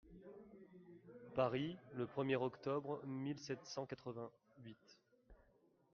Paris, le premier octobre mille sept cent quatre-vingt-huit.